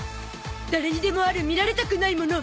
誰にでもある見られたくないもの